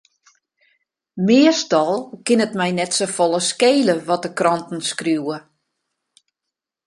Meastal kin it my net safolle skele wat de kranten skriuwe.